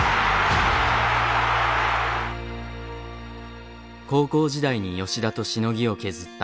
高校時代に吉田としのぎを削った釜田さん。